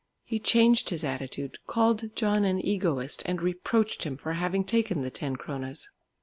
He changed his attitude, called John an egoist, and reproached him for having taken the ten kronas.